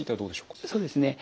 そうですね。